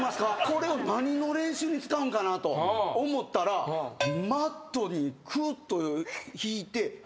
これを何の練習に使うんかなと思ったらマットにくっと引いて飛ばすだけですよ。